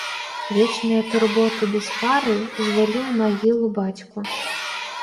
Вечныя турботы без пары звялі ў магілу бацьку.